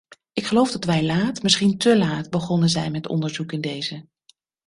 Ik geloof dat wij laat, misschien te laat begonnen zijn met onderzoek in deze.